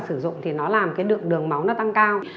sử dụng thì nó làm cái lượng đường máu nó tăng cao